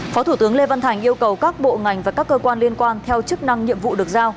phó thủ tướng lê văn thành yêu cầu các bộ ngành và các cơ quan liên quan theo chức năng nhiệm vụ được giao